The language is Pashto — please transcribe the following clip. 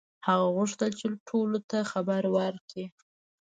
هغه غوښتل چې ټولو ته خبر وکړي.